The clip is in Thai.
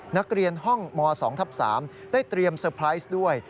นักเรียนห้องม๒ทับ๓ได้เตรียมเตอร์ไพรส์ด้วย